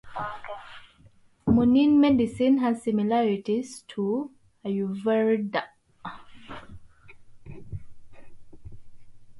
Unani medicine has similarities to Ayurveda.